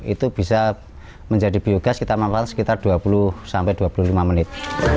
itu bisa menjadi biogas kita memakan sekitar dua puluh sampai dua puluh lima menit